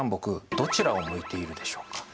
どちらを向いているでしょうか？